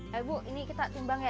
hai bu ini kita timbang ya